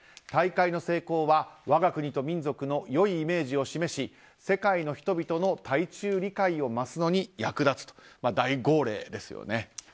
大会の成功は我が国と民族の良いイメージを示し世界の人々の対中理解を増すのに役立つと大号令ですよね。